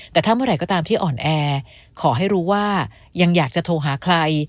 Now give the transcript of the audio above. แต่ถ้าเมื่อไหร่ก็ตามที่อ่อนแอขอให้รู้ว่ายังอยากจะโทรหาใคร